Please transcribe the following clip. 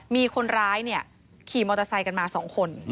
มีคนร้ายขี่มอเตอร์ไซค์กันมา๒คน